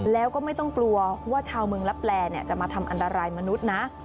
แล้วก็ไม่ต้องกลัวว่าชาวเมืองลับแลจะมาทำอันตรายมนุษย์นะ